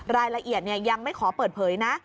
รายละเอียดยังไม่ขอเปิดเผยนะ